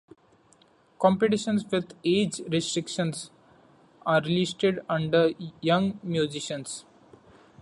Competitions with age restrictions are listed under "Young musicians".